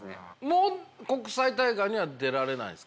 もう国際大会には出られないんですか？